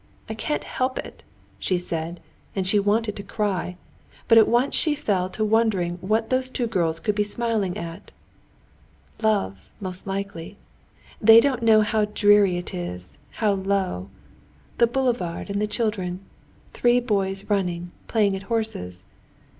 I can't help it!" she said, and she wanted to cry. But at once she fell to wondering what those two girls could be smiling about. "Love, most likely. They don't know how dreary it is, how low.... The boulevard and the children. Three boys running, playing at horses.